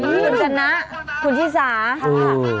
คุณชนะคุณชิสาค่ะ